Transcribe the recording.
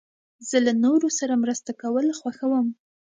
زه له نورو سره مرسته کول خوښوم.